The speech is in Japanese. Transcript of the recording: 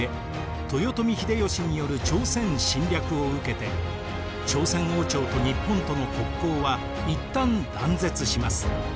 豊臣秀吉による朝鮮侵略を受けて朝鮮王朝と日本との国交は一旦断絶します。